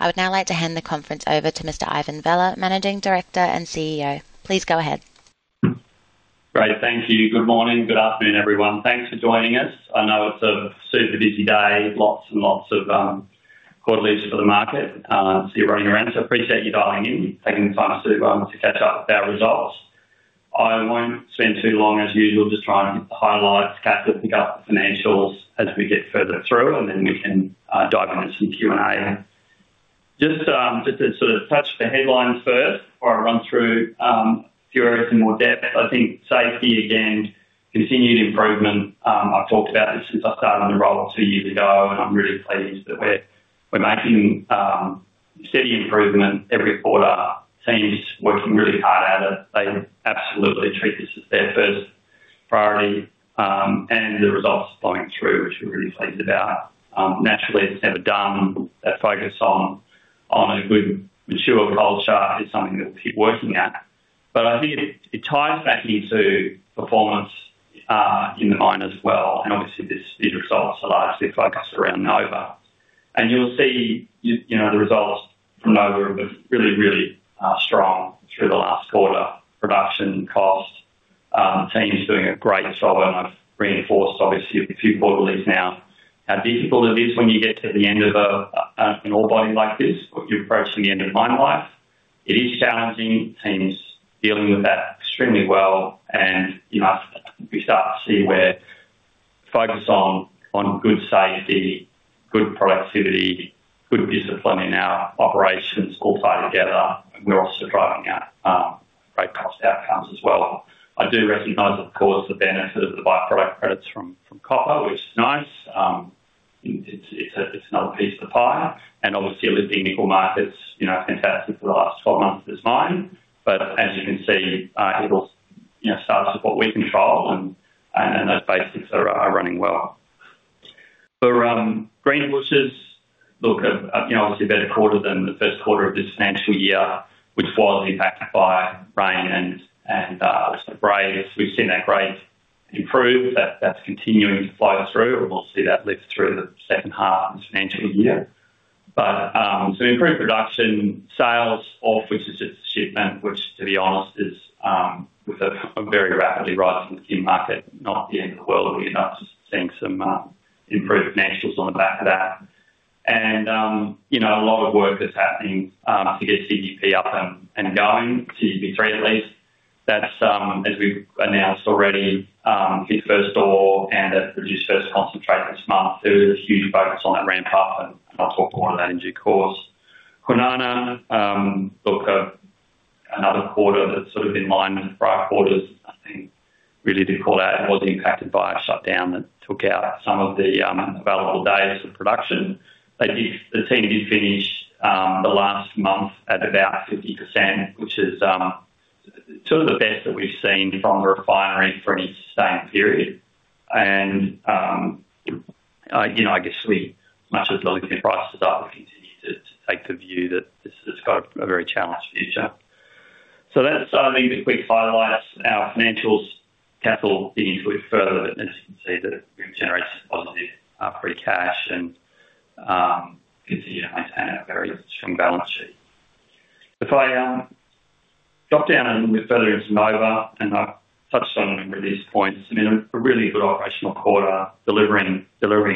I would now like to hand the conference over to Mr. Ivan Vella, Managing Director and CEO. Please go ahead. Great. Thank you. Good morning. Good afternoon, everyone. Thanks for joining us. I know it's a super busy day. Lots and lots of quarterly for the market, so you're running around. So appreciate you dialing in, taking the time out to catch up with our results. I won't spend too long, as usual, just trying to hit the highlights, Kathleen'll pick up the financials as we get further through, and then we can dive into some Q&A. Just to sort of touch the headlines first before I run through few areas in more depth. I think safety, again, continued improvement. I've talked about this since I started on the role two years ago, and I'm really pleased that we're making steady improvement every quarter. Team is working really hard at it. They absolutely treat this as their first priority, and the results are flowing through, which we're really pleased about. Naturally, it's never done. That focus on a good mature culture is something that we keep working at. But I think it ties back into performance in the mine as well, and obviously, these results are largely focused around Nova. And you'll see, you know, the results from Nova have been really, really strong through the last quarter. Production cost team is doing a great job, and I've reinforced, obviously, a few quarters in a row now, how difficult it is when you get to the end of an ore body like this, but you're approaching the end of mine life. It is challenging. The team is dealing with that extremely well, and, you know, we start to see where focus on good safety, good productivity, good discipline in our operations all tie together. We're also driving out great cost outcomes as well. I do recognize, of course, the benefit of the byproduct credits from copper, which is nice. It's another piece of the pie, and obviously, the nickel markets, you know, fantastic for the last 12 months of this mine. But as you can see, it all, you know, starts with what we control, and those basics are running well. For Greenbushes, look, you know, obviously a better quarter than the first quarter of this financial year, which was impacted by rain and some grades. We've seen that grade improve. That, that's continuing to flow through, and we'll see that lift through the second half of the financial year. But, so improved production, sales offtake, which is just shipment, which, to be honest, is, with a, a very rapidly rising lithium market, not the end of the world. We're now just seeing some, improved financials on the back of that. And, you know, a lot of work that's happening, to get CGP up and, and going, CGP3, at least. That's, as we've announced already, fit for start and producing concentrate this month. There's a huge focus on that ramp up, and I'll talk more on that in due course. Kwinana, look, another quarter that's sort of in line with prior quarters. I think really did call out. It was impacted by a shutdown that took out some of the available days of production. The team did finish the last month at about 50%, which is sort of the best that we've seen from a refinery for any same period. You know, I guess we much as looking at prices up, we continue to take the view that this has got a very challenged future. So that's, I think, the quick highlights. Our financials, capital dig into it further, but as you can see that we've generated positive free cash and continue to maintain a very strong balance sheet. If I drop down a little bit further into Nova, and I've touched on a number of these points. I mean, a really good operational quarter, delivering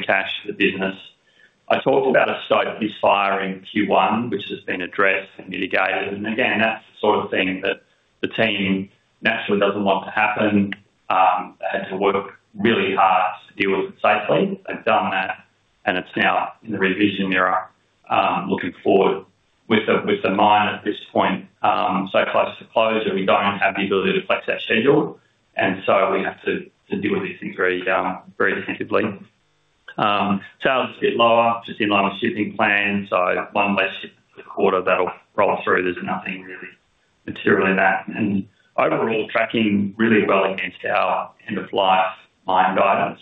cash to the business. I talked about a blast misfire in Q1, which has been addressed and mitigated. Again, that's the sort of thing that the team naturally doesn't want to happen. They had to work really hard to deal with it safely. They've done that, and it's now in the rearview mirror, looking forward. With the mine at this point, so close to closure, we don't have the ability to flex our schedule, and so we have to deal with these things very attentively. Sales a bit lower, just in line with shipping plans. So one less ship a quarter, that'll roll through. There's nothing really materially in that. And overall, tracking really well against our end of life mine guidance.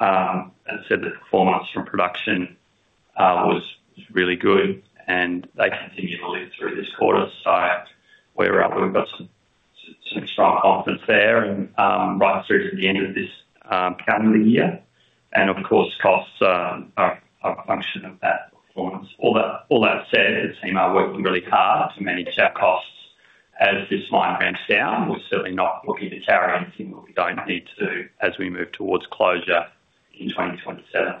As I said, the performance from production was really good, and they continue to lead through this quarter. So we're up. We've got some strong confidence there and right through to the end of this calendar year. And of course, costs are a function of that performance. All that said, the team are working really hard to manage our costs as this mine ramps down. We're certainly not looking to carry anything that we don't need to as we move towards closure in 2027.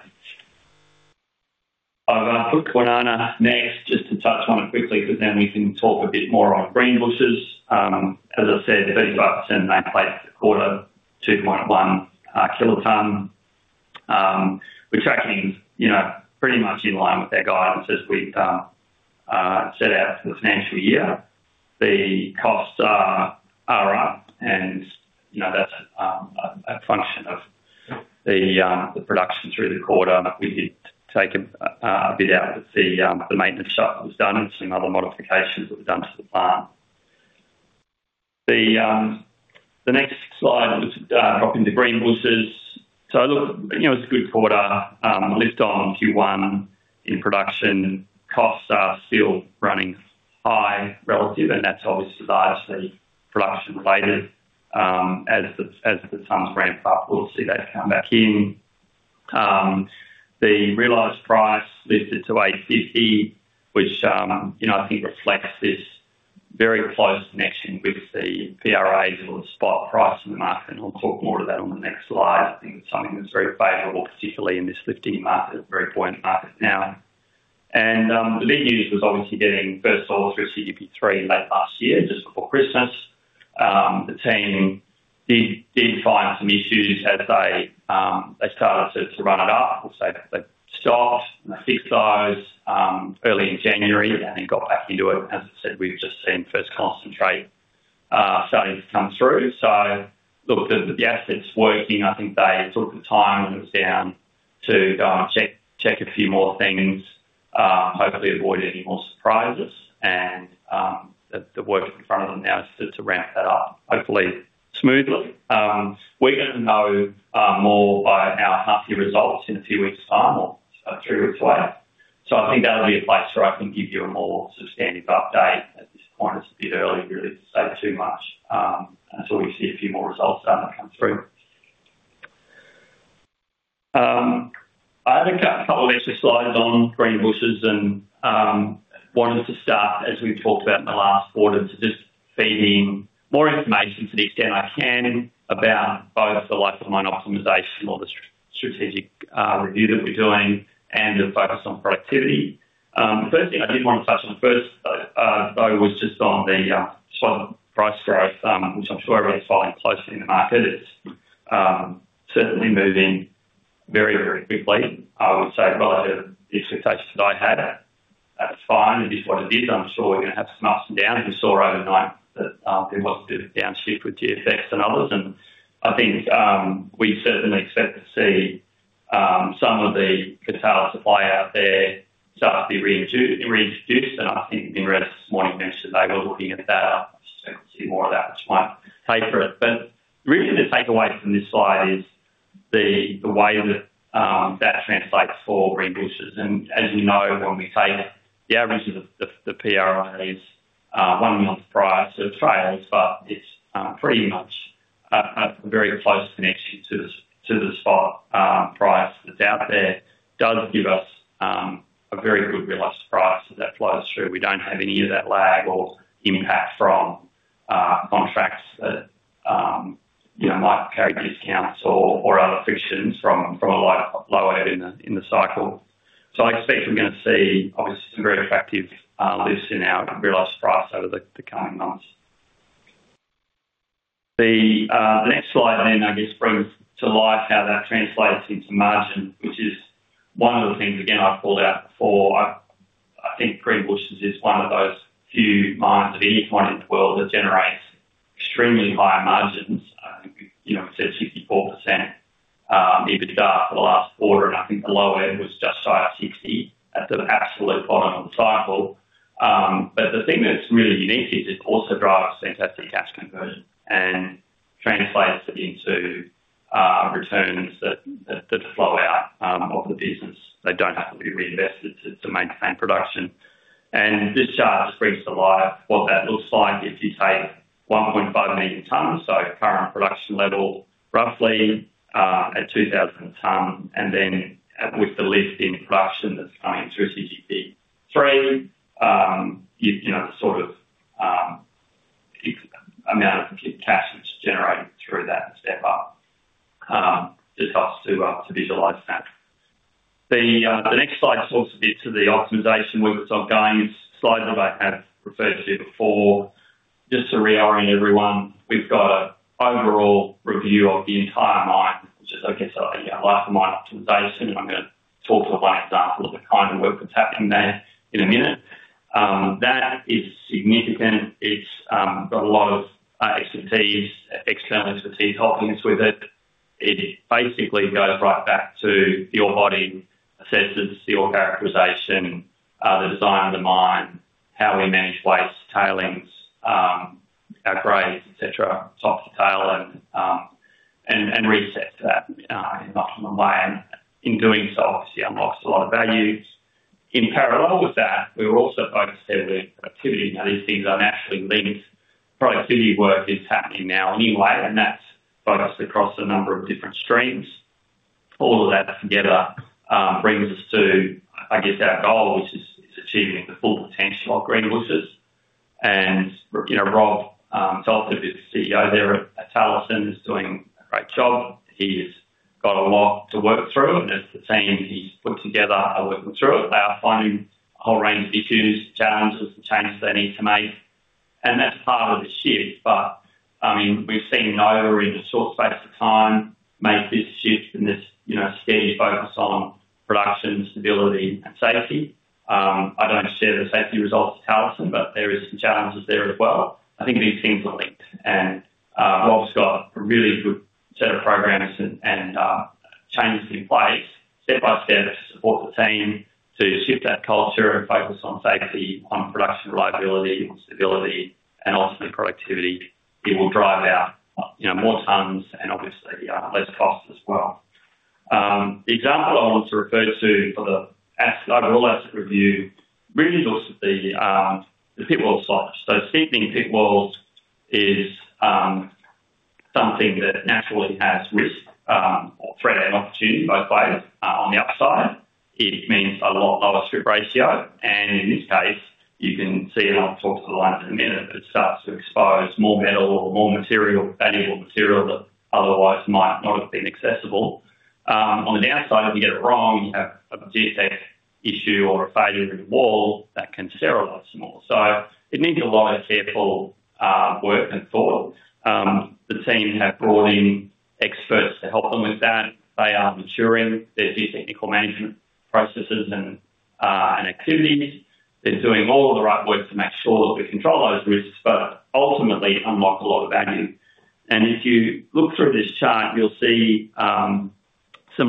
I've put Kwinana next, just to touch on it quickly, but then we can talk a bit more on Greenbushes. As I said, 35% nameplate a quarter, 2.1 kiloton. We're tracking, you know, pretty much in line with our guidance as we've set out for the financial year. The costs are up, and, you know, that's a function of the production through the quarter. We did take a bit out as the maintenance shut was done and some other modifications that were done to the plant. The next slide was drop into Greenbushes. So look, you know, it's a good quarter, lift on Q1 in production. Costs are still running strong... high relative, and that's obviously largely production related. As the tons ramp up, we'll see that come back in. The realized price lifted to 850, which, you know, I think reflects this very close connection with the PRAs or the spot price in the market, and I'll talk more to that on the next slide. I think it's something that's very favorable, particularly in this lifting market, very buoyant market now. The big news was obviously getting first ore through CGP3 late last year, just before Christmas. The team did find some issues as they started to run it up. They stopped and fixed those early in January and then got back into it. As I said, we've just seen first concentrate starting to come through. Look, the asset's working. I think they took the time it was down to check a few more things, hopefully avoid any more surprises. The work in front of them now is to ramp that up, hopefully smoothly. We're gonna know more by our half year results in a few weeks' time or three weeks away. So I think that'll be a place where I can give you a more substantive update. At this point, it's a bit early, really, to say too much until we see a few more results start to come through. I have a couple of extra slides on Greenbushes and wanted to start, as we talked about in the last quarter, to just feed in more information to the extent I can, about both the life of mine optimization or the strategic review that we're doing and the focus on productivity. First thing I did want to touch on first, though, was just on the SC6 price growth, which I'm sure everybody's following closely in the market. It's certainly moving very, very quickly. I would say relative to the expectations that I had, that's fine. It is what it is. I'm sure we're gonna have some ups and downs. We saw overnight that there was a bit of a downshift with GFEX and others, and I think we certainly expect to see some of the CATL supply out there start to be reintroduced. And I think this morning mentioned that they were looking at that. I'm sure we'll see more of that, which might pay for it. But really, the takeaway from this slide is the way that that translates for Greenbushes. As you know, when we take the average of the PRAs one month prior to the trades, but it's pretty much a very close connection to the spot price that's out there. Does give us a very good realized price that flows through. We don't have any of that lag or impact from contracts that you know might carry discounts or other frictions from a low area in the cycle. So I expect we're gonna see, obviously, some very effective lifts in our realized price over the coming months. The next slide then, I guess, brings to life how that translates into margin, which is one of the things, again, I called out before. I think Greenbushes is one of those few mines of any mine in the world that generates extremely high margins. You know, we said 64% EBITDA for the last quarter, and I think the low end was just higher, 60%, at the absolute bottom of the cycle. But the thing that's really unique is it also drives fantastic cash conversion and translates it into returns that flow out of the business. They don't have to be reinvested to maintain production. This chart just brings to life what that looks like if you take 1.5 million tons, so current production level, roughly, at 2,000 tons, and then with the lift in production that's coming through CGP3, you know, the sort of excess cash that's generated through that step up, it allows us to visualize that. The next slide talks a bit to the optimization work that's ongoing. It's a slide that I have referred to before. Just to reorient everyone, we've got an overall review of the entire mine, which is, I guess, a life of mine optimization, and I'm gonna talk about one example of the kind of work that's happening there in a minute. That is significant. It's got a lot of external expertise helping us with it. It basically goes right back to the ore body, assesses the ore characterization, the design of the mine, how we manage waste, tailings, our grades, et cetera, top to tail and reassess that, in the optimal way. And in doing so, obviously, unlocks a lot of values. In parallel with that, we're also focused in with activity. Now, these things are naturally linked. Productivity work is happening now anyway, and that's focused across a number of different streams. All of that together, brings us to, I guess, our goal, which is achieving the full potential of Greenbushes. And, you know, Rob Telford, who's the CEO there at Talison, is doing a great job. He's got a lot to work through, and as the team he's put together are working through it. They are finding a whole range of issues, challenges, and changes they need to make, and that's part of the shift. But, I mean, we've seen Nova, in a short space of time, make this shift and this, you know, steady focus on production, stability, and safety. I don't share the safety results at Talison, but there is some challenges there as well. I think these things are linked, and Rob's got a really good set of programs and changes in place, step by step, to support the team to shift that culture and focus on safety, on production, reliability, on stability, and ultimately, productivity. It will drive our, you know, more tons and obviously, less costs as well. The example I want to refer to for the overall asset review really looks at the pit wall size. So steepening pit walls is something that naturally has risk or threat and opportunity, both ways. On the upside, it means a lot lower strip ratio, and in this case, you can see, and I'll talk to the line in a minute, but it starts to expose more metal or more material, valuable material that otherwise might not have been accessible. On the downside, if you get it wrong, you have a geotech issue or a failure in the wall that can sterilize more. So it needs a lot of careful work and thought. The team have brought in experts to help them with that. They are maturing their geotechnical management processes and activities. They're doing all the right work to make sure that we control those risks, but ultimately unlock a lot of value. If you look through this chart, you'll see some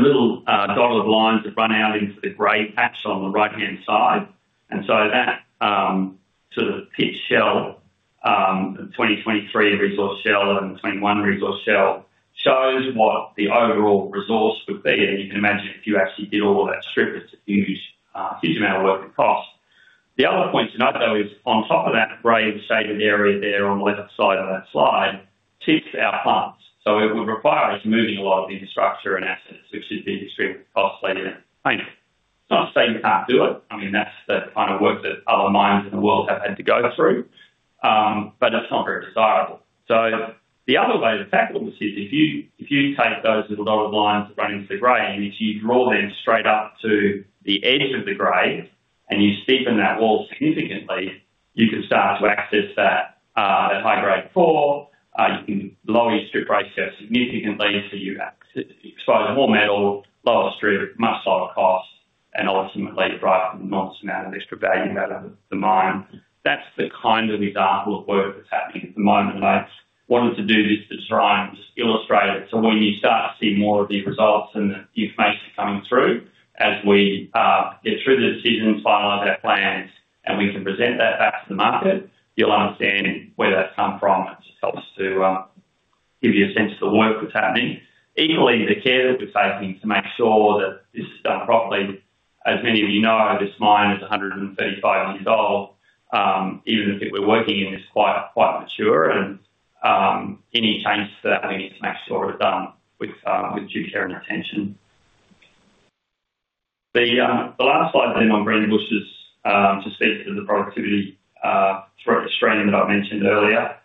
little dotted lines that run out into the gray patch on the right-hand side. So that sort of pit shell, 2023 resource shell and 2021 resource shell, shows what the overall resource would be. You can imagine, if you actually did all of that strip, it's a huge huge amount of work and cost. The other point to note, though, is on top of that gray shaded area there on the left side of that slide, sits our plants. So it would require us moving a lot of the infrastructure and assets, which is extremely costly and painful. It's not to say you can't do it. I mean, that's the kind of work that other mines in the world have had to go through, but it's not very desirable. So the other way to tackle this is if you, if you take those little dotted lines that run into the gray, and if you draw them straight up to the edge of the gray and you steepen that wall significantly, you can start to access that, that high-grade floor. You can lower your strip ratio significantly, so you expose more metal, lower strip, much lower costs, and ultimately, drive an enormous amount of extra value out of the mine. That's the kind of example of work that's happening at the moment, and I wanted to do this to try and just illustrate it. So when you start to see more of the results and the information coming through, as we get through the decision, finalize our plans, and we can present that back to the market, you'll understand where that's come from. It just helps to give you a sense of the work that's happening. Equally, the care that we're taking to make sure that this is done properly. As many of you know, this mine is 135 years old. Even the pit we're working in is quite, quite mature and any changes to that, we need to make sure it's done with due care and attention. The last slide then on Greenbushes just speaks to the productivity throughout Australia that I mentioned earlier.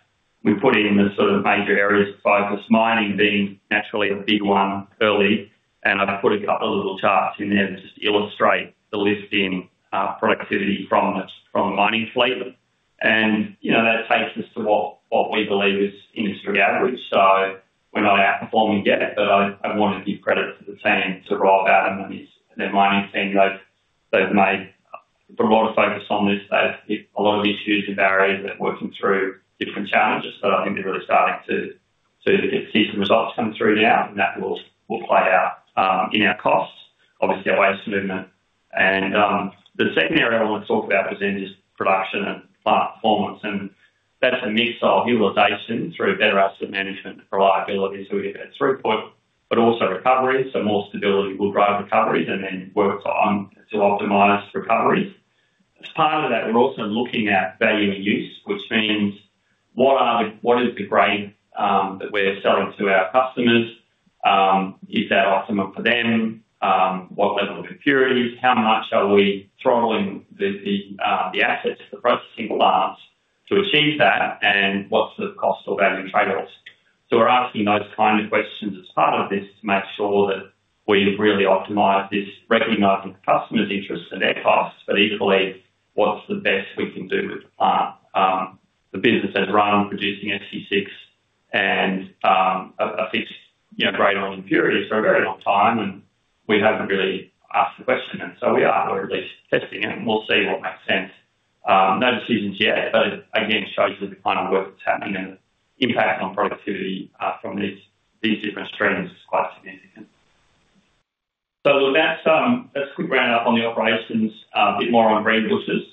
We put in the sort of major areas of focus, mining being naturally a big one early, and I've put a couple of little charts in there to just illustrate the lift in productivity from the mining fleet. And, you know, that takes us to what we believe is industry average. So we're not outperforming yet, but I want to give credit to the team, to Rob Adam and his mining team. They've made a lot of focus on this. They have hit a lot of issues and barriers. They're working through different challenges, but I think they're really starting to see some results come through now, and that will play out in our costs, obviously, our waste movement. The second area I want to talk about is in this production and plant performance, and that's a mix of utilization through better asset management and reliability, so we get that throughput, but also recovery. So more stability will drive recoveries and then work on to optimize recoveries. As part of that, we're also looking at value in use, which means what are the... What is the grade that we're selling to our customers? Is that optimal for them? What level of impurities? How much are we throttling the assets, the processing plants to achieve that? And what's the cost or value trade-offs? So we're asking those kind of questions as part of this to make sure that we really optimize this, recognizing the customer's interests and their costs, but equally, what's the best we can do with the plant? The business has run on producing SC6 and a fixed, you know, grade on impurities for a very long time, and we haven't really asked the question, and so we are, or at least testing it, and we'll see what makes sense. No decisions yet, but again, shows you the kind of work that's happening and the impact on productivity from these different streams is quite significant. So with that, that's a quick roundup on the operations, a bit more on Greenbushes.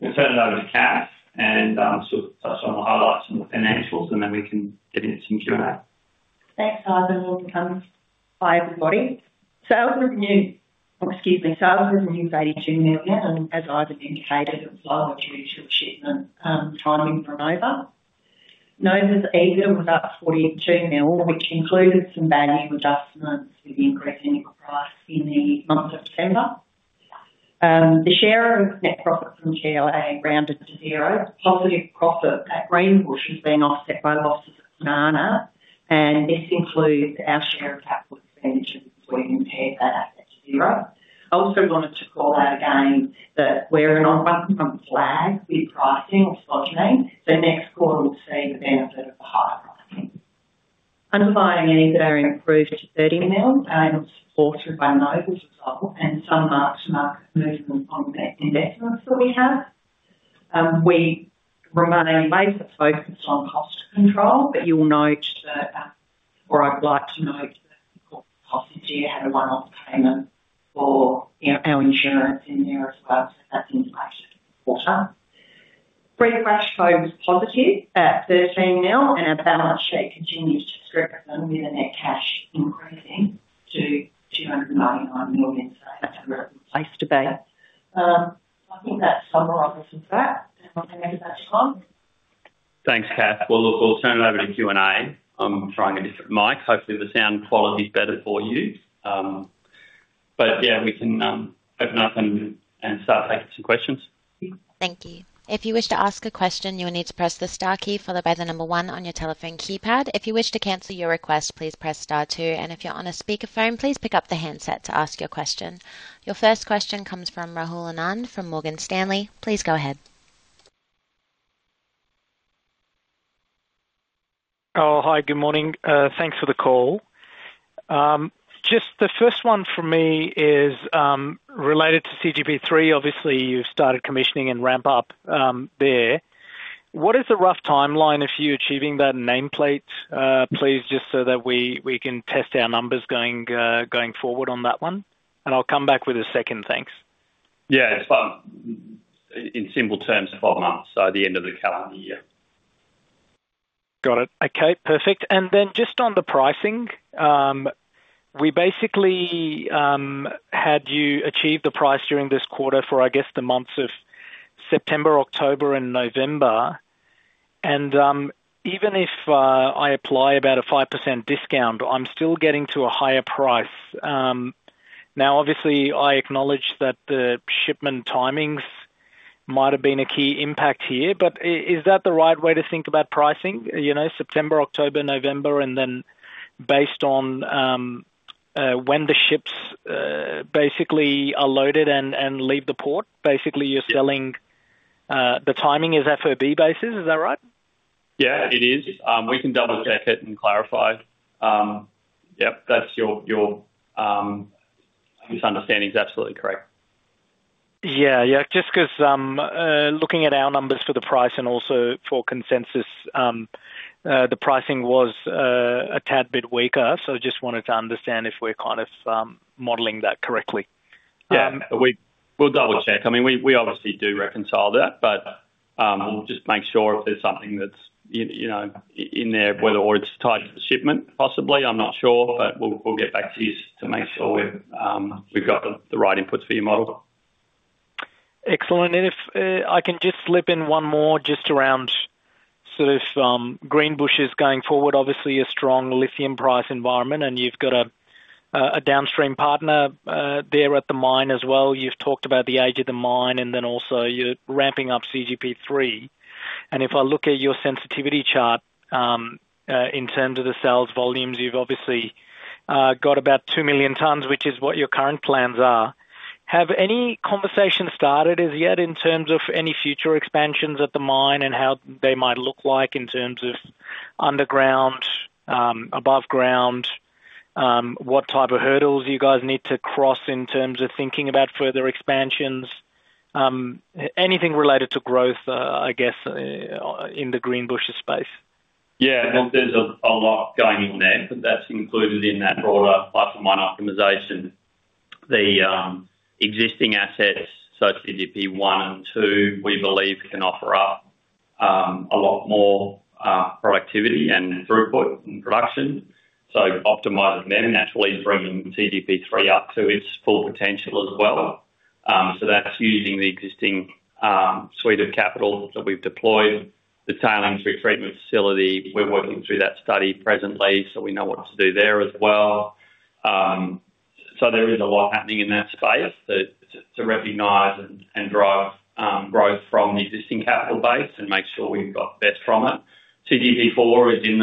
We'll turn it over to Kathleen and sort of touch on the highlights on the financials, and then we can get into some Q&A. Thanks, Ivan. Welcome. Hi, everybody. Sales were net $32 million, and as Ivan indicated, it was largely due to the shipment timing from Nova. Nova's EBITDA was up 42 million, which included some value adjustments with the increase in nickel price in the month of September. The share of net profit from TLA rounded to zero. Positive profit at Greenbushes being offset by losses at Kwinana, and this includes our share of capital expenditures, so we compare that at zero. I also wanted to call out again that we're running one month lag with pricing or so to me, so next quarter, we'll see the benefit of the higher pricing. Underlying EBITDA improved to 30 million and was supported by Nova's result and some mark-to-market movements on the investments that we have. We remain laser-focused on cost control, but you'll note that, or I'd like to note that the cost this year had a one-off payment for, you know, our insurance in there as well, so that's inflated quarter. Free cash flow was positive at 13 million, and our balance sheet continues to strengthen with the net cash increasing to 299 million. So that's a great place to be. I think that summarizes that. And thank you very much, Ivan. Thanks, Kathleen. Well, look, we'll turn it over to Q&A. I'm trying a different mic. Hopefully, the sound quality is better for you. But yeah, we can open up and start taking some questions. Thank you. If you wish to ask a question, you will need to press the star key followed by the number one on your telephone keypad. If you wish to cancel your request, please press star two. If you're on a speakerphone, please pick up the handset to ask your question. Your first question comes from Rahul Anand from Morgan Stanley. Please go ahead. Oh, hi, good morning. Thanks for the call. Just the first one for me is related to CGP3. Obviously, you've started commissioning and ramp up there. What is the rough timeline of you achieving that nameplate, please, just so that we can test our numbers going forward on that one? I'll come back with a second. Thanks. Yeah, it's about, in simple terms, 5 months, so the end of the calendar year. Got it. Okay, perfect. And then just on the pricing, we basically had you achieve the price during this quarter for, I guess, the months of September, October, and November. And even if I apply about a 5% discount, I'm still getting to a higher price. Now, obviously, I acknowledge that the shipment timings might have been a key impact here, but is that the right way to think about pricing? You know, September, October, November, and then based on when the ships basically are loaded and leave the port. Basically, you're selling, the timing is FOB basis. Is that right? Yeah, it is. We can double-check it and clarify. Yep, that's your misunderstanding is absolutely correct. Yeah. Yeah, just 'cause, looking at our numbers for the price and also for consensus, the pricing was a tad bit weaker. So just wanted to understand if we're kind of modeling that correctly. Yeah, we'll double-check. I mean, we obviously do reconcile that, but we'll just make sure if there's something that's in, you know, in there, whether or it's tied to the shipment, possibly. I'm not sure, but we'll get back to you to make sure we've got the right inputs for your model. Excellent. And if I can just slip in one more just around, so if Greenbushes going forward, obviously a strong lithium price environment, and you've got a downstream partner there at the mine as well. You've talked about the age of the mine, and then also you're ramping up CGP3. And if I look at your sensitivity chart in terms of the sales volumes, you've obviously got about 2 million tons, which is what your current plans are. Have any conversations started as yet in terms of any future expansions at the mine and how they might look like in terms of underground, above ground? What type of hurdles you guys need to cross in terms of thinking about further expansions? Anything related to growth, I guess, in the Greenbushes space. Yeah, look, there's a lot going on there, but that's included in that broader life of mine optimization. The existing assets, so CGP1 and 2, we believe, can offer up a lot more productivity and throughput and production. So optimizing them naturally is bringing CGP3 up to its full potential as well. So that's using the existing suite of capital that we've deployed, the tailings retreatment facility. We're working through that study presently, so we know what to do there as well. So there is a lot happening in that space to recognize and drive growth from the existing capital base and make sure we've got the best from it. CGP4 is in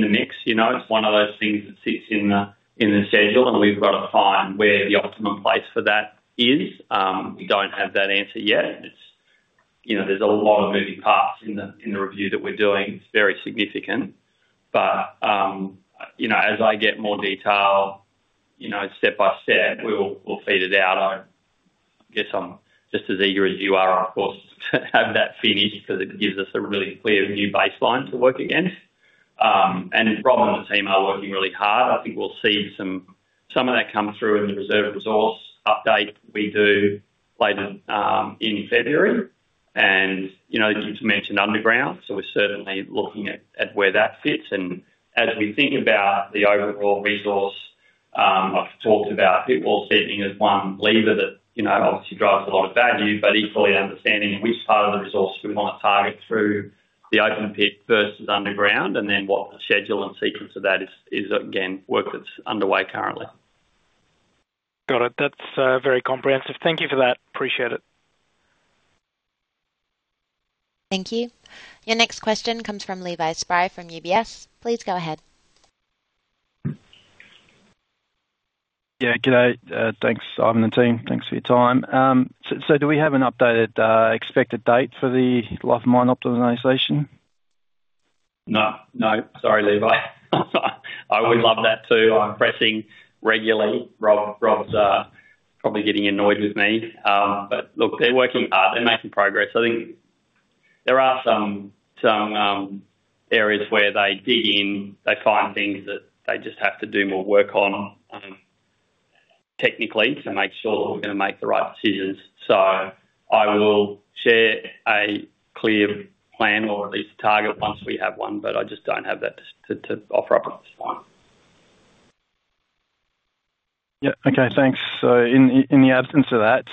the mix. You know, it's one of those things that sits in the, in the schedule, and we've got to find where the optimum place for that is. We don't have that answer yet. It's, you know, there's a lot of moving parts in the, in the review that we're doing. It's very significant, but, you know, as I get more detail, you know, step by step, we'll, we'll feed it out. I guess I'm just as eager as you are, of course, to have that finished because it gives us a really clear new baseline to work against. And Rob and the team are working really hard. I think we'll see some, some of that come through in the reserve resource update we do later in February. And, you know, you've mentioned underground, so we're certainly looking at, at where that fits. As we think about the overall resource, I've talked about pit wall steepening as one lever that, you know, obviously drives a lot of value, but equally understanding which part of the resource we want to target through the open pit versus underground, and then what the schedule and sequence of that is, is, again, work that's underway currently. Got it. That's very comprehensive. Thank you for that. Appreciate it. Thank you. Your next question comes from Levi Spry, from UBS. Please go ahead. Yeah, good day. Thanks, Ivan and the team. Thanks for your time. So, do we have an updated expected date for the life of mine optimization? No. No, sorry, Levi. I would love that, too. I'm pressing regularly. Rob, Rob's probably getting annoyed with me. But look, they're working hard. They're making progress. I think there are some areas where they dig in, they find things that they just have to do more work on. Technically to make sure that we're going to make the right decisions. So I will share a clear plan or at least a target once we have one, but I just don't have that to offer up at this point. Yeah. Okay, thanks. In the absence of that,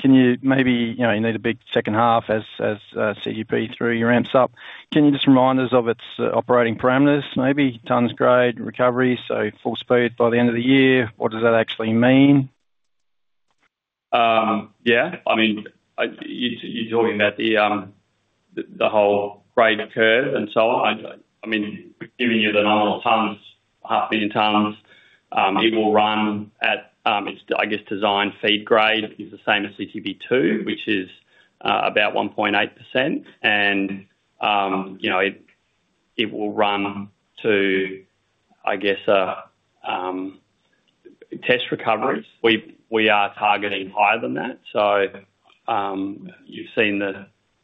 can you maybe, you know, you need a big second half as CGP3 ramps up. Can you just remind us of its operating parameters, maybe tons, grade, recovery, so full speed by the end of the year? What does that actually mean? Yeah, I mean, you're talking about the whole grade curve and so on. I mean, giving you the normal tons, 500,000 tons, it will run at. It's, I guess, design feed grade is the same as CGP2, which is about 1.8%. And, you know, it will run to, I guess, test recoveries. We are targeting higher than that. So, you've seen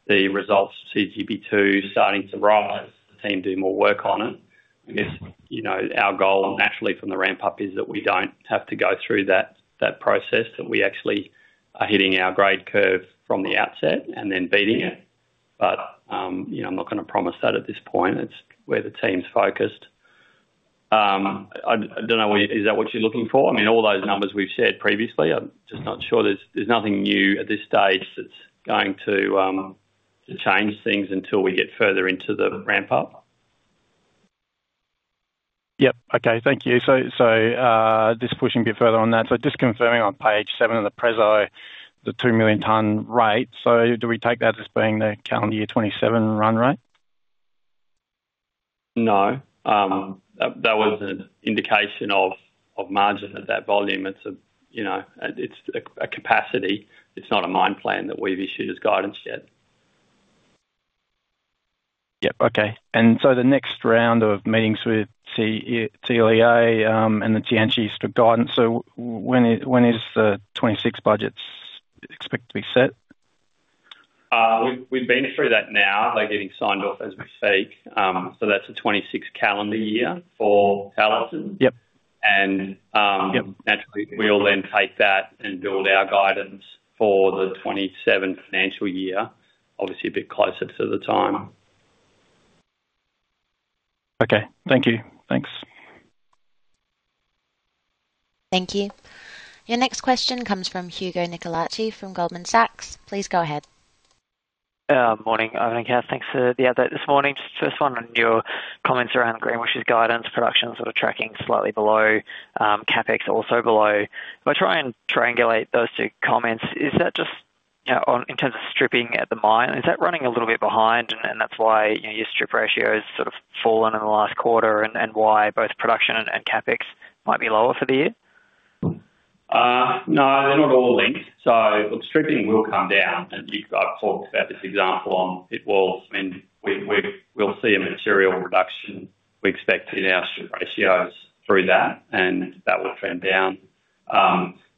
the results, CGP2 starting to rise, the team do more work on it. I guess, you know, our goal naturally from the ramp-up is that we don't have to go through that process, that we actually are hitting our grade curve from the outset and then beating it. But, you know, I'm not gonna promise that at this point. It's where the team's focused. I don't know, is that what you're looking for? I mean, all those numbers we've shared previously, I'm just not sure there's nothing new at this stage that's going to change things until we get further into the ramp-up. Yep. Okay. Thank you. So, just pushing a bit further on that. So just confirming on page seven of the preso, the 2 million ton rate. So do we take that as being the calendar year 2027 run rate? No. That was an indication of, of margin at that volume. It's a, you know, it's a, a capacity. It's not a mine plan that we've issued as guidance yet. Yep. Okay. And so the next round of meetings with CEO and the Tianqi for guidance. So when is the 2026 budgets expected to be set? We've been through that now. They're getting signed off as we speak. So that's the 2026 calendar year for Talison. Yep. And, um- Yep. Naturally, we will then take that and build our guidance for the 27 financial year, obviously a bit closer to the time. Okay. Thank you. Thanks. Thank you. Your next question comes from Hugo Nicolaci from Goldman Sachs. Please go ahead. Morning, Ivan, Kathleen. Thanks for the update this morning. Just first one on your comments around Greenbushes' guidance, production sort of tracking slightly below, CapEx also below. I'm gonna try and triangulate those two comments. Is that just, you know, on, in terms of stripping at the mine, is that running a little bit behind and, and that's why, you know, your strip ratio has sort of fallen in the last quarter and, and why both production and, and CapEx might be lower for the year? No, they're not all linked, so stripping will come down, and I've talked about this example on pit walls. I mean, we'll see a material reduction, we expect, in our strip ratios through that, and that will trend down.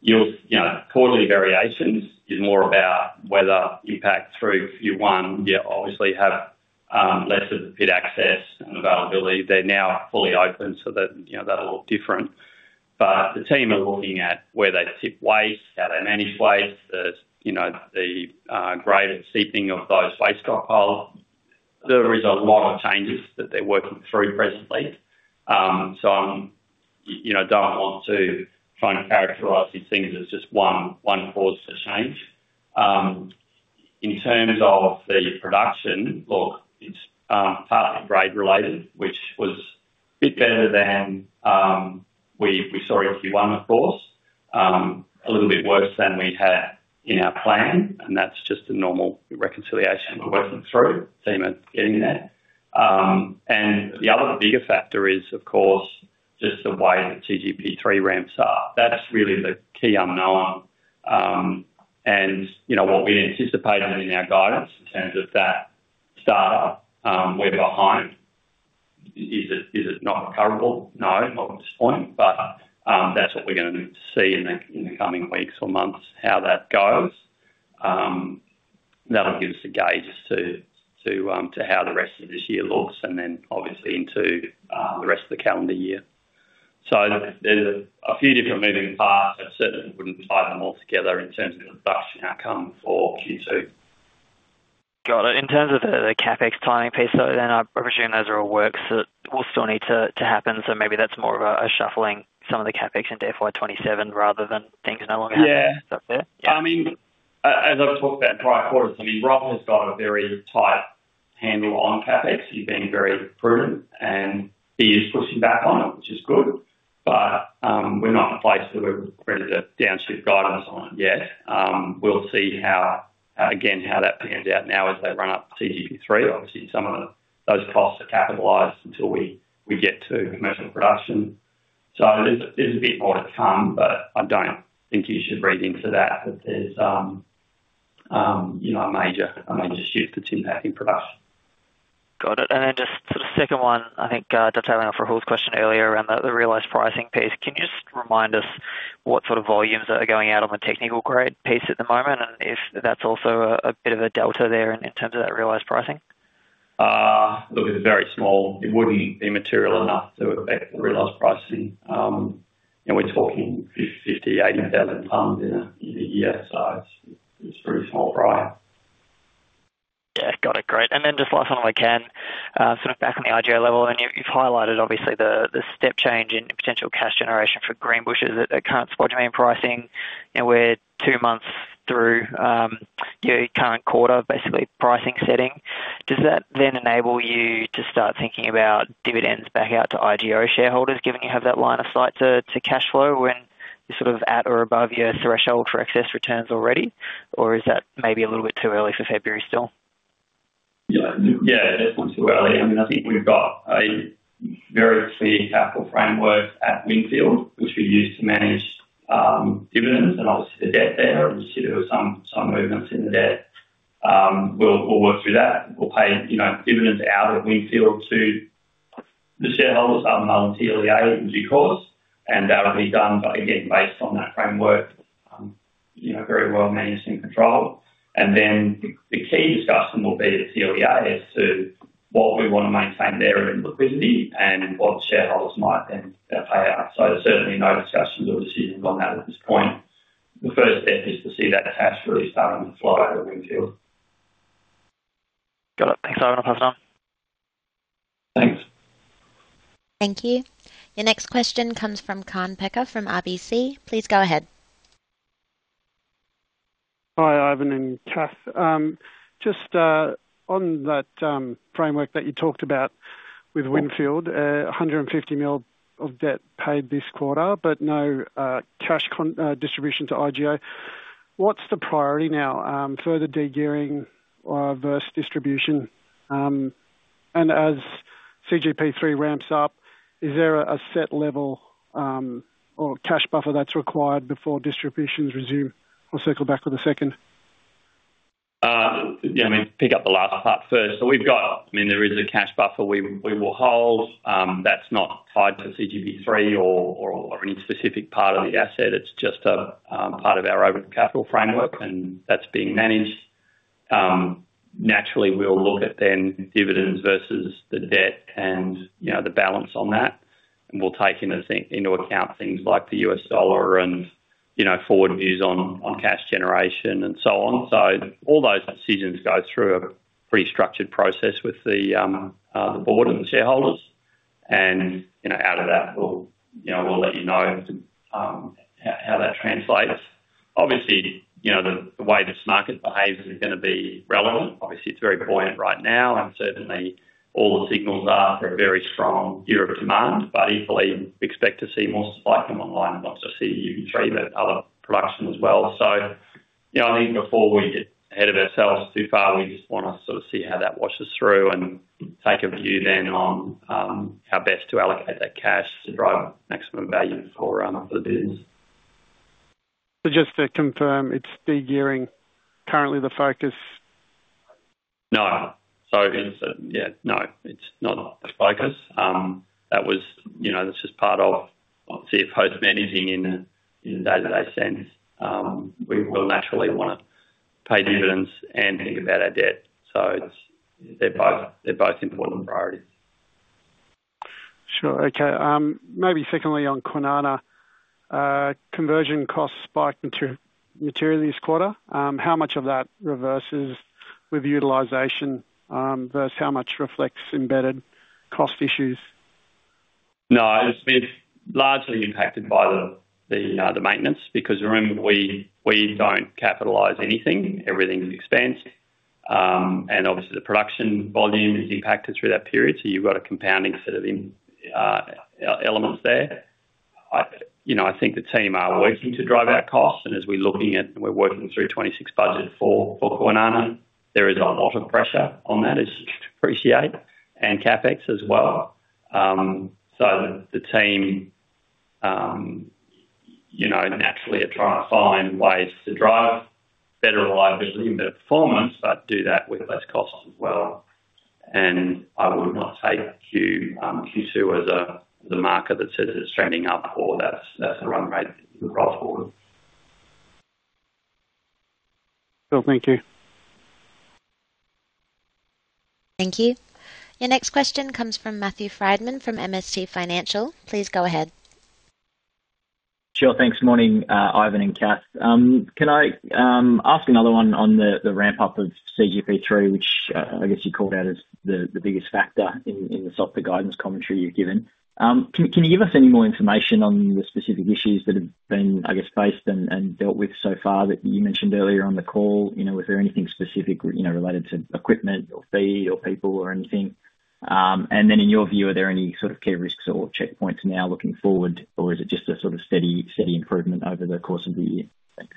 You'll, you know, quarterly variations is more about weather impact through Q1, you obviously have less pit access and availability. They're now fully open, so that, you know, that'll look different. But the team are looking at where they tip waste, how they manage waste, the, you know, the grade and seeping of those waste stockpiles. There is a lot of changes that they're working through presently. So I, you know, don't want to try and characterize these things as just one cause for change. In terms of the production, look, it's partly grade-related, which was a bit better than we saw in Q1, of course, a little bit worse than we had in our plan, and that's just a normal reconciliation we're working through, the team are getting there. And the other bigger factor is, of course, just the way that CGP3 ramps are. That's really the key unknown. And, you know, what we anticipated in our guidance in terms of that start, we're behind. Is it not recoverable? No, not at this point, but that's what we're gonna see in the coming weeks or months, how that goes. That'll give us a gauge as to how the rest of this year looks and then obviously into the rest of the calendar year. There's a few different moving parts. I certainly wouldn't tie them all together in terms of the production outcome for Q2. Got it. In terms of the CapEx timing piece, so then I'm presuming those are all works that will still need to happen. So maybe that's more of a shuffling some of the CapEx into FY 2027 rather than things no longer out- Yeah. Is that fair? I mean, as I've talked about in prior quarters, I mean, Rob has got a very tight handle on CapEx. He's being very prudent, and he is pushing back on it, which is good, but we're not in a place where we've credited a downshift guidance on it yet. We'll see how, again, how that pans out now as they run up CGP 3. Obviously, some of those costs are capitalized until we get to commercial production. So there's a bit more to come, but I don't think you should read into that that there's, you know, a major shift that's impacting production. Got it. And then just sort of second one, I think, detailing off Rahul's question earlier around the, the realized pricing piece. Can you just remind us what sort of volumes are going out on the technical grade piece at the moment, and if that's also a, a bit of a delta there in, in terms of that realized pricing?... It was very small. It wouldn't be material enough to affect the realized pricing. And we're talking 50-80,000 tons in a year, so it's very small prior. Yeah. Got it. Great. And then just last one, if I can, sort of back on the IGO level, and you, you've highlighted obviously the, the step change in potential cash generation for Greenbushes at, at current spodumene pricing, and we're two months through, your current quarter, basically pricing setting. Does that then enable you to start thinking about dividends back out to IGO shareholders, given you have that line of sight to, to cash flow when you're sort of at or above your threshold for excess returns already? Or is that maybe a little bit too early for February still? Yeah. Yeah, definitely too early. I mean, I think we've got a very clear capital framework at Winfield, which we use to manage, dividends and obviously the debt there. Obviously, there were some movements in the debt. We'll work through that. We'll pay, you know, dividends out at Winfield to the shareholders, TLEA, in due course, and that'll be done, but again, based on that framework, you know, very well managed and controlled. And then the key discussion will be the TLEA as to what we wanna maintain there in liquidity and what the shareholders might then pay out. So certainly no discussions or decisions on that at this point. The first step is to see that cash really starting to flow out of Winfield. Got it. Thanks, Ivan. I'll pass on. Thanks. Thank you. Your next question comes from Kaan Peker from RBC. Please go ahead. Hi, Ivan and Cath. Just on that framework that you talked about with Winfield, 150 million of debt paid this quarter, but no cash contribution to IGO. What's the priority now, further degearing or versus distribution? And as CGP3 ramps up, is there a set level or cash buffer that's required before distributions resume? We'll circle back for the second. Yeah, let me pick up the last part first. So we've got... I mean, there is a cash buffer we will hold, that's not tied to CGP3 or any specific part of the asset. It's just a part of our overall capital framework, and that's being managed. Naturally, we'll look at then dividends versus the debt and, you know, the balance on that, and we'll take into account things like the US dollar and, you know, forward views on cash generation and so on. So all those decisions go through a pretty structured process with the board and the shareholders, and, you know, out of that, we'll let you know how that translates. Obviously, you know, the way this market behaves is gonna be relevant. Obviously, it's very buoyant right now, and certainly all the signals are for a very strong year of demand, but equally, we expect to see more supply come online, and once I see you can show you that other production as well. So, you know, I think before we get ahead of ourselves too far, we just wanna sort of see how that washes through and take a view then on how best to allocate that cash to drive maximum value for the business. Just to confirm, it's de-gearing currently the focus? No. Sorry, it's, yeah, no, it's not the focus. That was, you know, this is part of, obviously, a post managing in a, in a day-to-day sense. We will naturally wanna pay dividends and think about our debt, so it's, they're both, they're both important priorities. Sure. Okay, maybe secondly, on Kwinana, conversion costs spiked materially this quarter. How much of that reverses with utilization, versus how much reflects embedded cost issues? No, it's been largely impacted by the maintenance, because remember, we don't capitalize anything. Everything is expensed. And obviously the production volume is impacted through that period, so you've got a compounding set of impacting elements there. You know, I think the team are working to drive our costs, and as we're looking at, and we're working through 2026 budget for Kwinana, there is a lot of pressure on that, as you'd appreciate, and CapEx as well. So the team, you know, naturally are trying to find ways to drive better reliability and better performance, but do that with less cost as well. And I would not take Q2 as the marker that says it's trending up or that's the run rate going forward. Cool. Thank you. Thank you. Your next question comes from Mathew Frydman from MST Financial. Please go ahead. Sure. Thanks. Morning, Ivan and Cath. Can I ask another one on the ramp-up of CGP3, which I guess you called out as the biggest factor in the software guidance commentary you've given? Can you give us any more information on the specific issues that have been faced and dealt with so far that you mentioned earlier on the call? You know, was there anything specific related to equipment or feed or people or anything? And then in your view, are there any sort of key risks or checkpoints now looking forward, or is it just a sort of steady improvement over the course of the year? Thanks.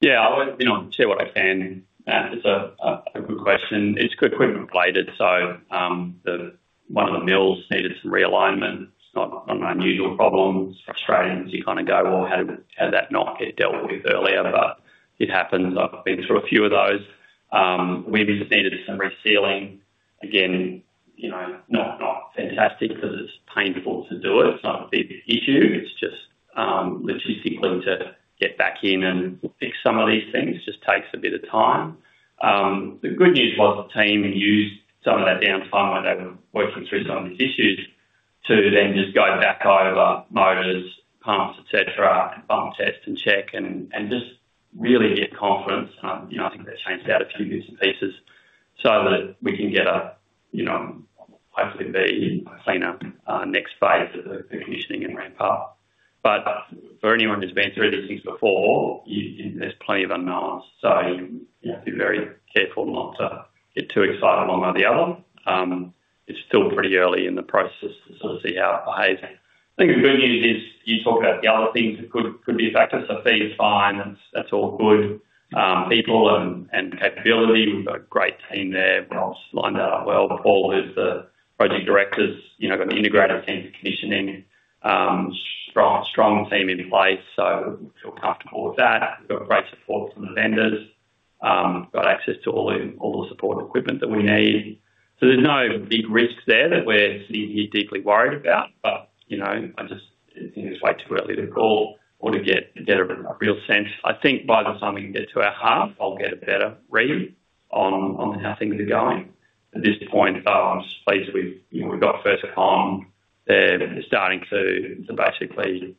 Yeah, I would, you know, share what I can. It's a good question. It's equipment-related, so one of the mills needed some realignment. It's not an unusual problem. It's frustrating because you kinda go, "Well, how did that not get dealt with earlier?" But it happens. I've been through a few of those. We've just needed some resealing. Again, you know, not fantastic because it's painful to do it. It's not a big issue. It's just logistically, to get back in and fix some of these things, just takes a bit of time. The good news was the team used some of that downtime while they were working through some of these issues to then just go back over motors, pumps, et cetera, and pump test and check and just really get confidence. You know, I think they changed out a few loose pieces so that we can get a, you know, hopefully a cleaner next phase of the commissioning and ramp up. But for anyone who's been through these things before, there's plenty of unknowns, so you have to be very careful not to get too excited one way or the other. It's still pretty early in the process to sort of see how it behaves. I think the good news is you talk about the other things that could be a factor. So feed is fine. That's all good. People and capability. We've got a great team there. Rob lined up well. Paul, who's the project director, you know, got an integrated team for commissioning. Strong team in place, so we feel comfortable with that. We've got great support from the vendors. Got access to all the support equipment that we need. So there's no big risks there that we're deeply worried about. But, you know, I just think it's way too early to call or to get a better, a real sense. I think by the time we can get to our half, I'll get a better read on how things are going. At this point, though, I'm just pleased with, you know, we've got first time. They're starting to basically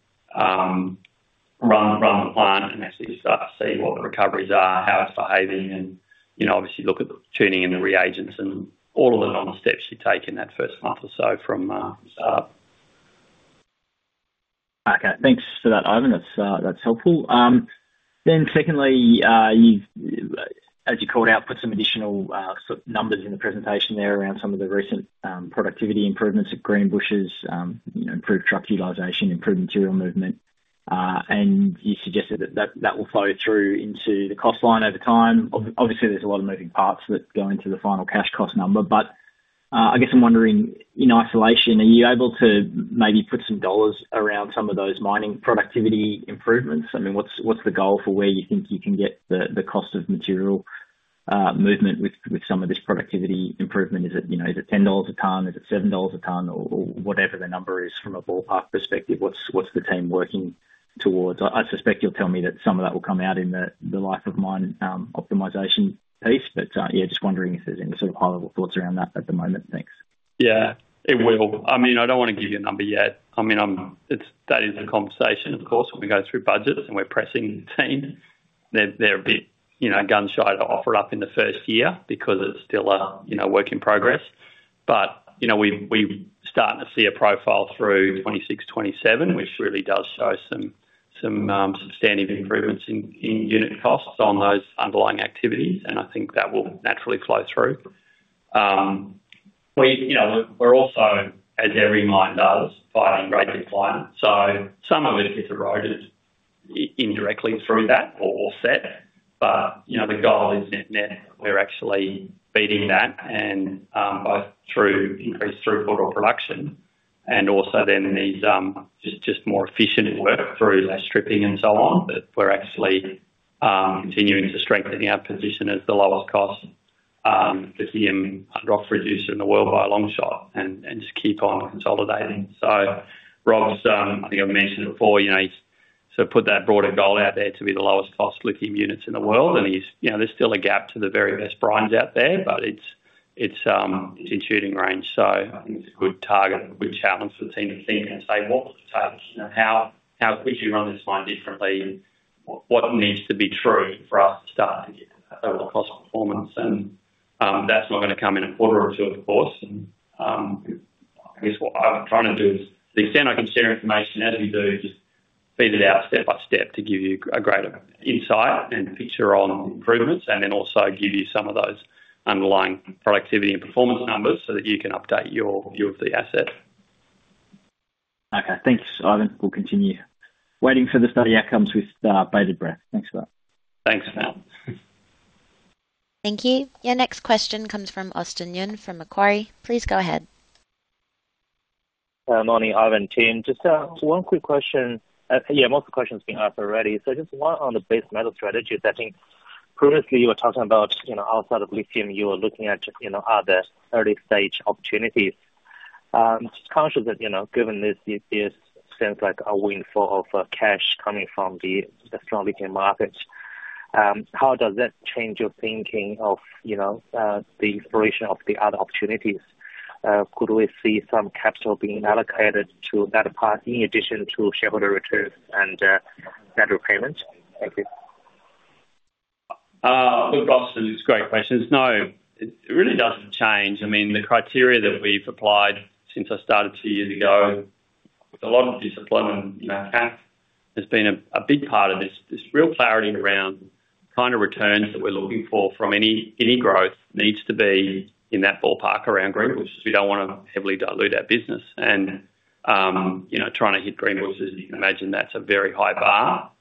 run the plant and actually start to see what the recoveries are, how it's behaving, and, you know, obviously look at tuning in the reagents and all of the normal steps you take in that first month or so from start. Okay, thanks for that, Ivan. That's, that's helpful. Then secondly, you've, as you called out, put some additional, sort of numbers in the presentation there around some of the recent, productivity improvements at Greenbushes, you know, improved truck utilization, improved material movement, and you suggested that that, that will flow through into the cost line over time. Obviously, there's a lot of moving parts that go into the final cash cost number, but, I guess I'm wondering, in isolation, are you able to maybe put some dollars around some of those mining productivity improvements? I mean, what's, what's the goal for where you think you can get the, the cost of material, movement with, with some of this productivity improvement? Is it, you know, is it 10 dollars a ton? Is it $7 a ton or whatever the number is from a ballpark perspective, what's the team working towards? I suspect you'll tell me that some of that will come out in the life of mine optimization piece. But yeah, just wondering if there's any sort of high-level thoughts around that at the moment. Thanks. Yeah, it will. I mean, I don't want to give you a number yet. I mean, it's, that is the conversation, of course, when we go through budgets and we're pressing the team, they're a bit, you know, gun shy to offer it up in the first year because it's still a, you know, work in progress. But, you know, we've started to see a profile through 2026, 2027, which really does show some substantive improvements in unit costs on those underlying activities, and I think that will naturally flow through. We, you know, we're also, as every mine does, fighting grade decline. So some of it is eroded indirectly through that or set. But, you know, the goal is net net. We're actually beating that and both through increased throughput or production and also then in these just, just more efficient work through less stripping and so on, that we're actually continuing to strengthen our position as the lowest cost lithium rock producer in the world by a long shot and just keep on consolidating. So Rob's, I think I've mentioned it before, you know, he's sort of put that broader goal out there to be the lowest cost lithium units in the world. And he's, you know, there's still a gap to the very best brines out there, but it's, it's, it's in shooting range, so I think it's a good target, a good challenge for the team to think and say, "What does it take? You know, how, how could you run this mine differently? What needs to be true for us to start to get that level of cost performance?" That's not going to come in a quarter or two, of course. I guess what I'm trying to do is the extent I can share information as we do, just feed it out step by step to give you a greater insight and picture on improvements, and then also give you some of those underlying productivity and performance numbers so that you can update your view of the asset. Okay. Thanks, Ivan. We'll continue waiting for the study outcomes with bated breath. Thanks a lot. Thanks, pal. Thank you. Your next question comes from Austin Yun, from Macquarie. Please go ahead. Morning, Ivan team. Just, so one quick question. Yeah, most of the questions have been asked already. So just one on the base metal strategies. I think previously you were talking about, you know, outside of lithium, you were looking at just, you know, other early-stage opportunities. Just conscious that, you know, given this, this sense like a windfall of cash coming from the strong lithium markets, how does that change your thinking of, you know, the exploration of the other opportunities? Could we see some capital being allocated to that part in addition to shareholder returns and debt repayments? Thank you. Look, Austin, it's a great question. No, it really doesn't change. I mean, the criteria that we've applied since I started two years ago, with a lot of discipline and, you know, has been a big part of this. There's real clarity around kind of returns that we're looking for from any growth needs to be in that ballpark around Greenbushes. We don't want to heavily dilute our business and, you know, trying to hit Greenbushes, you can imagine that's a very high bar.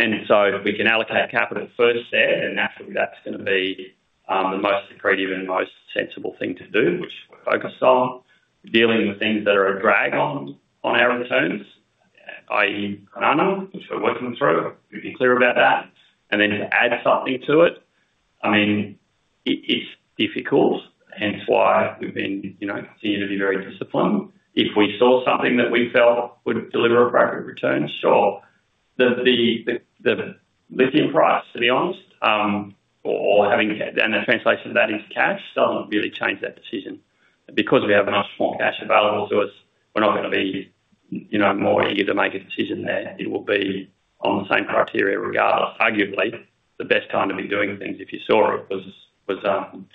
And so if we can allocate capital first there, then naturally that's gonna be the most accretive and most sensible thing to do, which we're focused on. Dealing with things that are a drag on our returns, i.e. Kwinana, which we're working through, we've been clear about that. And then to add something to it-... I mean, it's difficult, hence why we've been, you know, continuing to be very disciplined. If we saw something that we felt would deliver appropriate returns, sure. The lithium price, to be honest, or having and the translation of that into cash doesn't really change that decision. Because we have a nice form of cash available to us, we're not gonna be, you know, more eager to make a decision there. It will be on the same criteria regardless. Arguably, the best time to be doing things, if you saw it, was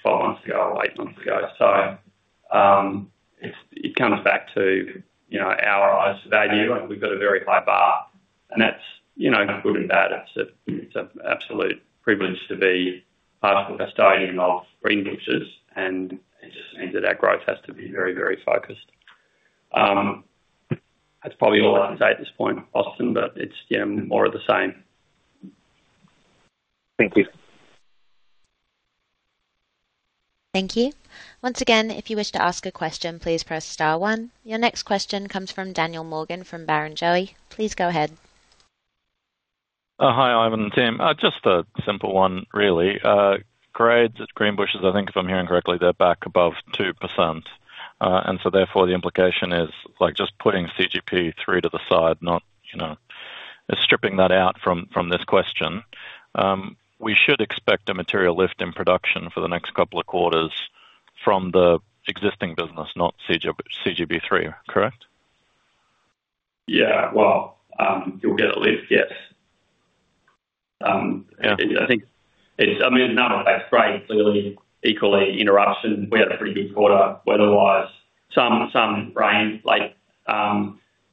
five months ago or eight months ago. So, it comes back to, you know, our eyes to value, and we've got a very high bar, and that's, you know, good and bad. It's an absolute privilege to be part of the custodian of Greenbushes, and it just means that our growth has to be very, very focused. That's probably all I can say at this point, Austin, but it's, yeah, more of the same. Thank you. Thank you. Once again, if you wish to ask a question, please press star one. Your next question comes from Daniel Morgan, from Barrenjoey. Please go ahead. Hi, Ivan and team. Just a simple one, really. Grades at Greenbushes, I think if I'm hearing correctly, they're back above 2%. And so therefore, the implication is, like, just putting CGP3 to the side, not, you know, stripping that out from, from this question. We should expect a material lift in production for the next couple of quarters from the existing business, not CG, CGP3, correct? Yeah. Well, you'll get a lift, yes. Yeah. I think it's, I mean, a number of those grades, clearly, equally interruption. We had a pretty good quarter, weather-wise. Some rain late,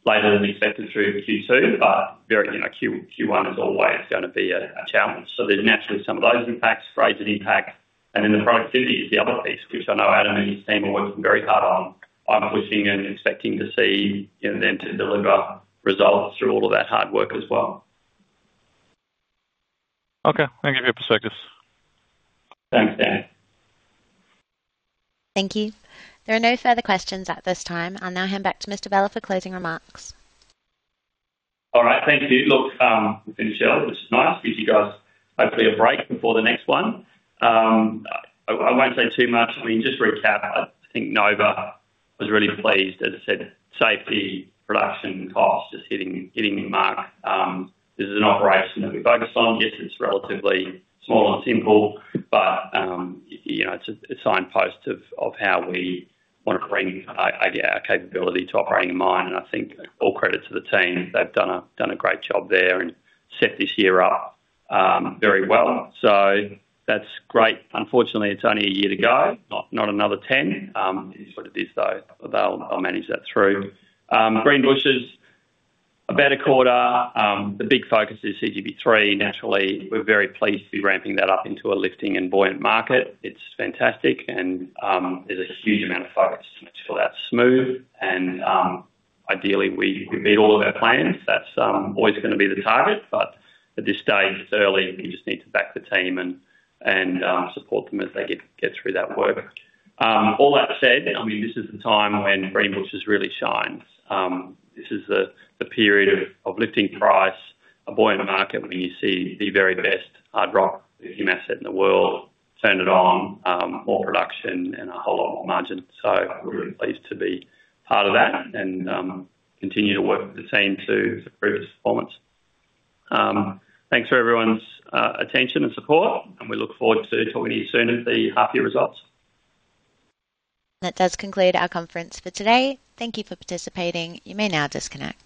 later than expected through Q2, but very, you know, Q1 is always gonna be a challenge. So there's naturally some of those impacts, grades impact. And then the productivity is the other piece, which I know Adam and his team are working very hard on. I'm pushing and expecting to see, you know, them to deliver results through all of that hard work as well. Okay. Thank you for your perspectives. Thanks, Dan. Thank you. There are no further questions at this time. I'll now hand back to Mr. Vella for closing remarks. All right. Thank you. Look, we've finished well, which is nice. Gives you guys hopefully a break before the next one. I won't say too much. I mean, just to recap, I think Nova was really pleased. As I said, safety, production, cost, just hitting, hitting the mark. This is an operation that we focus on. Yes, it's relatively small and simple, but you know, it's a signpost of how we wanna bring our capability to operating a mine. And I think all credit to the team. They've done a great job there and set this year up very well. So that's great. Unfortunately, it's only a year to go, not another ten. It is what it is, though. They'll manage that through. Greenbushes, a better quarter. The big focus is CGP3. Naturally, we're very pleased to be ramping that up into a lifting and buoyant market. It's fantastic, and there's a huge amount of focus to make sure that's smooth. And ideally, we meet all of our plans. That's always gonna be the target, but at this stage, it's early. We just need to back the team and support them as they get through that work. All that said, I mean, this is the time when Greenbushes really shines. This is the period of lifting price, a buoyant market, when you see the very best hard rock lithium asset in the world, turn it on, more production and a whole lot more margin. So we're really pleased to be part of that and continue to work with the team to improve the performance. Thanks for everyone's attention and support, and we look forward to talking to you soon at the half-year results. That does conclude our conference for today. Thank you for participating. You may now disconnect.